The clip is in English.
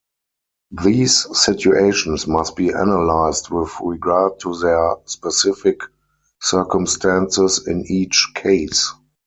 These situations must be analyzed with regard to their specific circumstances, in each case.